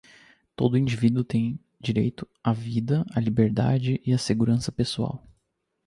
Todo indivíduo tem direito à vida, à liberdade e à segurança pessoal.